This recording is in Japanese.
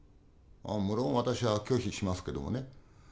無論私は拒否しますけどもね。